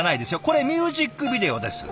これミュージックビデオです。